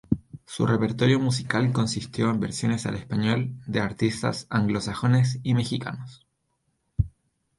Su repertorio musical consistió en versiones al español de artistas anglosajones y mexicanos.